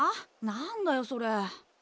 何だよそれ。